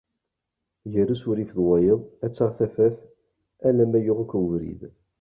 Gar usurif d wayeḍ ad taɣ tafat alamma yuɣ akk ubrid.